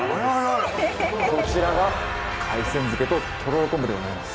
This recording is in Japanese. こちらが海鮮漬ととろろ昆布でございます。